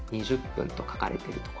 ２０分と書かれている所。